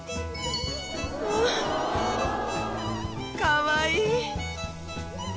かわいい。